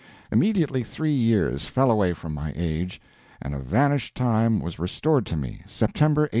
Immediately three years fell away from my age, and a vanished time was restored to me September, 1867.